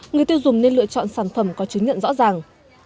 người tiêu dùng nên lựa chọn sản phẩm có chứng nhận rõ ràng